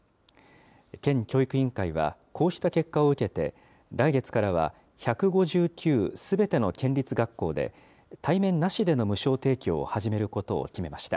県教育委員会は、こうした結果を受けて、来月からは１５９すべての県立学校で、対面なしでの無償提供を始めることを決めました。